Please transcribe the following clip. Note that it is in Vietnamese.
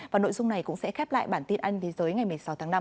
và nội dung này cũng sẽ khép lại bản tin anh thế giới ngày một mươi sáu tháng năm